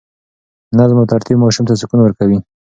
نظم او ترتیب ماشوم ته سکون ورکوي.